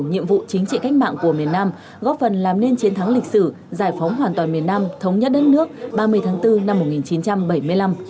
nhiệm vụ chính trị cách mạng của miền nam góp phần làm nên chiến thắng lịch sử giải phóng hoàn toàn miền nam thống nhất đất nước ba mươi tháng bốn năm một nghìn chín trăm bảy mươi năm